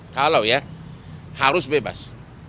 kalau ya harus bebas